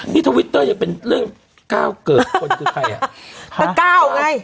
นี่ทวิตเตอร์จะเป็นเรื่องก้าวเกิกคนคือใคร